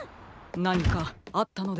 なにかあったのですか？